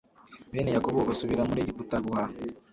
Bene Yakobo basubira muri Egiputa guhaha.